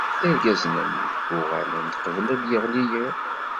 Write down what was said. Irgazen-nni uɣalen-d qbel ad d-yeɣli yiḍ.